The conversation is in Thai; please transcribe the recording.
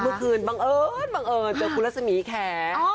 เมื่อคืนบังเอิญเจอคุณลักษมีศแขะ